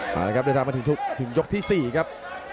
เอาละครับได้ตามมาถึงจุดถึงยกที่๔ครับ